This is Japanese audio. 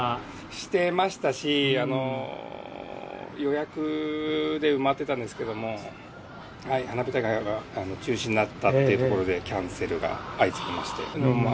してましたし、予約で埋まってたんですけども、花火大会が中止になったというところでキャンセルが相次ぎまして。